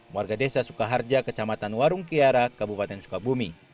warga desa sukaharja kecamatan warung kiara kabupaten sukabumi